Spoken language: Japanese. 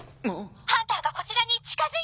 ハンターがこちらに近づいています！